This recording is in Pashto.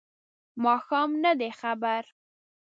ماښام نه دی خبر